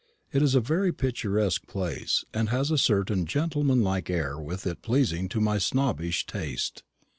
It is a very picturesque place, and has a certain gentlemanlike air with it pleasing to my snobbish taste.